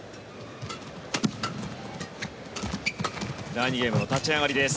第２ゲームの立ち上がりです。